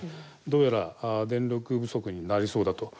どうやら電力不足になりそうだと。